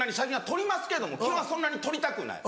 撮りますけども基本はそんなに撮りたくない。